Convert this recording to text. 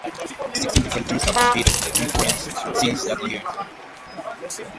Sixteen different teams have competed in the conference since that year.